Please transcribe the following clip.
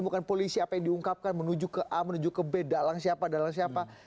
kami akan segera kembali